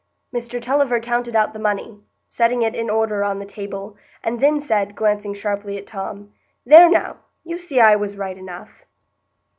Mr Tulliver counted out the money, setting it in order on the table, and then said, glancing sharply at Tom: "There now! you see I was right enough."